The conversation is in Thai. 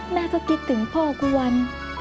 แม่ก็คิดถึงพ่อทุกวัน